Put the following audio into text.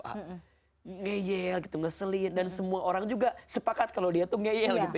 ngeyel gitu ngeselin dan semua orang juga sepakat kalau dia tuh ngeyel gitu